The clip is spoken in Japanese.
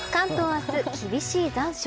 明日厳しい残暑。